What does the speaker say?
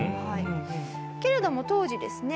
けれども当時ですね